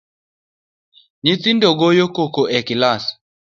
Nyithindo goyo koko e kilas